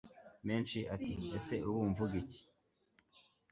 menshi ati ese ubu mvugiki